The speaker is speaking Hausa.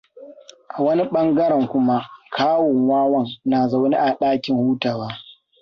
A wani ɓangaren kuma, kawun wawan na zaune a ɗakin hutawa.